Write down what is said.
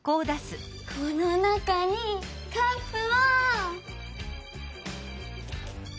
この中にカップを。